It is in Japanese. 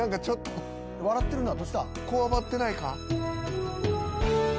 こわばってないか？